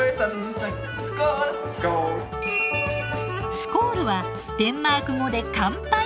「スコール」はデンマーク語で「乾杯」。